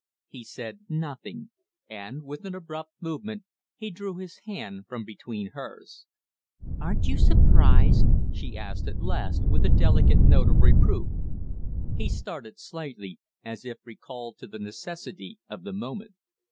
He said nothing; and, with an abrupt movement, he drew his hand from between hers. "Aren't you surprised?" she asked at last, with a delicate note of reproof. He started slightly, as if recalled to the necessity of the moment.